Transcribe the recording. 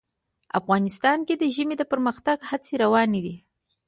افغانستان کې د ژمی د پرمختګ هڅې روانې دي.